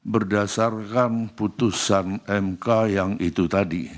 berdasarkan putusan mk yang itu tadi